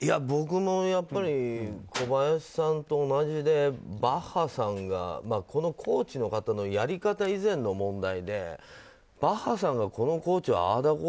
僕も小林さんと同じでバッハさんが、このコーチの方のやり方以前の問題でバッハさんがこのコーチをああだ